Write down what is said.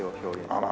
あら。